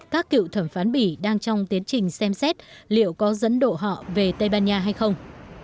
các cựu thẩm phán bỉ đang trong tiến trình xem xét liệu có dẫn độ họ về tây ban nha hay không